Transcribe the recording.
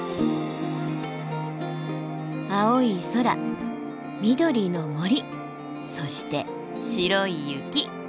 青い空緑の森そして白い雪。